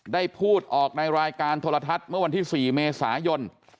ได้พูดออกในรายการโทรทัศน์เมื่อวันที่๔เมษายน